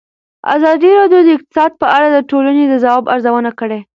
ازادي راډیو د اقتصاد په اړه د ټولنې د ځواب ارزونه کړې.